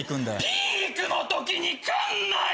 ピークのときに来んなよ！